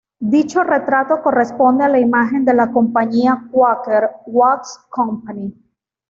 Dicho retrato corresponde a la imagen de la compañía Quaker Oats Company.